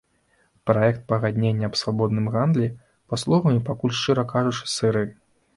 Праект пагаднення аб свабодным гандлі паслугамі пакуль, шчыра кажучы, сыры.